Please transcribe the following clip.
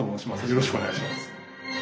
よろしくお願いします。